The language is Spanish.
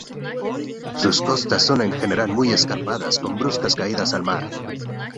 Sus costas son en general muy escarpadas con bruscas caídas al mar.